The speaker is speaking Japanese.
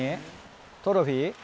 トロフィー？